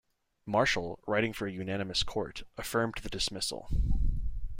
Marshall, writing for a unanimous court, affirmed the dismissal.